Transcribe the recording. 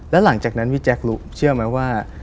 แล้วหลังจากนั้นพี่แจ๊ครู้เชื่อไหมว่า